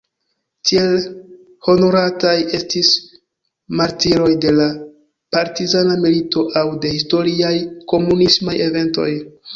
Tiel honorataj estis martiroj de la partizana milito aŭ de historiaj komunismaj eventoj.